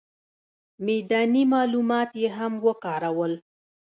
میداني معلومات یې هم وکارول.